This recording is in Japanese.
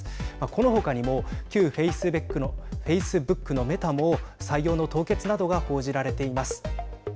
この他にも旧フェイスブックのメタも採用の凍結などが報じられています。